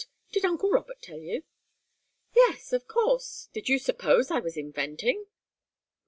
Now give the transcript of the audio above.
Did uncle Robert tell you?" "Yes! Of course! Did you suppose I was inventing?"